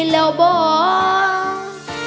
แล้วบอกว่าเธอเคยรักใครก่อนมาเจออ้าย